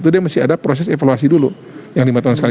dia mesti ada proses evaluasi dulu yang lima tahun sekali